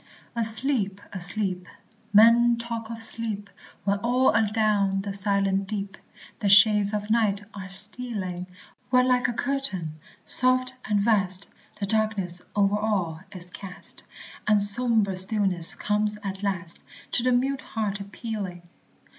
Asleep! asleep! men talk of "sleep," When all adown the silent deep The shades of night are stealing; When like a curtain, soft and vast, The darkness over all is cast, And sombre stillness comes at last, To the mute heart appealing.